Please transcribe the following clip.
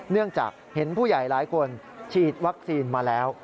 เนื่องจากเห็นผู้ใหญ่หลายคนฉีดวัคซีนมาแล้ว